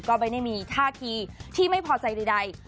ก็ไม่ได้มีท่าทีที่ไม่พอใจใด